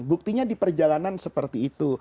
buktinya di perjalanan seperti itu